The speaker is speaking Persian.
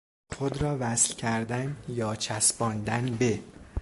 خود را وصل کردن یا چسباندن به